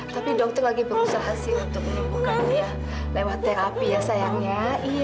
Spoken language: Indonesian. semoga baik baik semuanya